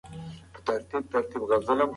افغان جهاديان د کابل ښار ویرول.